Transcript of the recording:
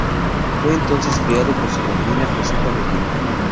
Fue entonces criado por su madrina, Josefa Medina.